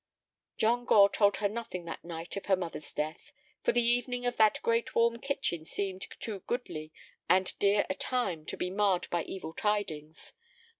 John Gore told her nothing that night of her mother's death, for the evening in that great warm kitchen seemed too goodly and dear a time to be marred by evil tidings.